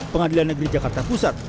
pengadilan negeri jakarta pusat